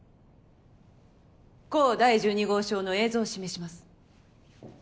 甲第１２号証の映像を示します。